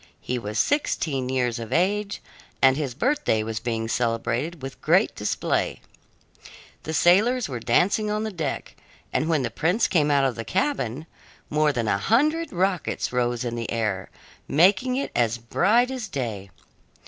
He was sixteen years of age, and his birthday was being celebrated with great display. The sailors were dancing on deck, and when the prince came out of the cabin, more than a hundred rockets rose in the air, making it as bright as day.